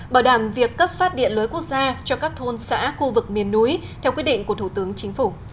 bảo đảm việc cấp phát điện lưới quốc gia cho các thôn xã khu vực miền núi theo quyết định của thủ tướng chính phủ